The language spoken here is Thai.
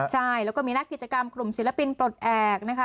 ใช่แล้วก็มีนักกิจกรรมกลุ่มศิลปินปลดแอบนะคะ